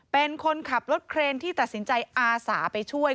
เป็นคนขับรถเครนที่ตัดสินใจอาสาไปช่วย